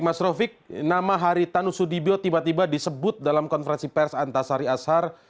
mas rofiq nama haritan usudibyo tiba tiba disebut dalam konferensi pers antasari ashar